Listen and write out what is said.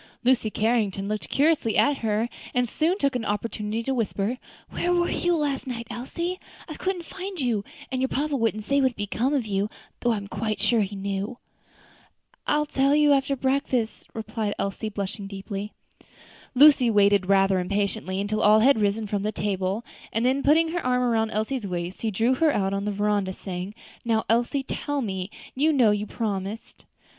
Lucy Carrington looked curiously at her, and soon took an opportunity to whisper, "Where were you last night, Elsie? I couldn't find you, and your papa wouldn't say what had become of you, though I am quite sure he knew." "I'll tell you after breakfast," replied Elsie, blushing deeply. Lucy waited rather impatiently until all had risen from the table, and then, putting her arm round Elsie's waist, she drew her out on to the veranda, saying, "now, Elsie, tell me; you know you promised."